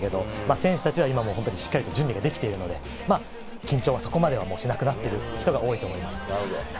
選手たちは今もしっかりと準備ができているので、現状はそこまではしなくなっている人が多いと思います。